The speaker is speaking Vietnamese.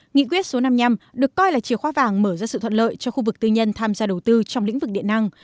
nghị quyết số năm mươi năm được coi là chiều khóa vàng mở ra sự thuận lợi cho khu vực tư nhân tham gia đầu tư trong lĩnh vực điện năng